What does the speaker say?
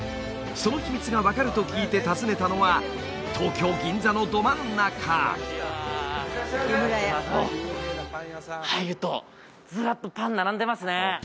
その秘密が分かると聞いて訪ねたのは東京銀座のど真ん中いらっしゃいませあっ入るとズラッとパン並んでますね